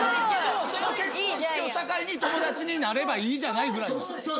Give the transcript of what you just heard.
その結婚式を境に友達になればいいじゃないぐらいな。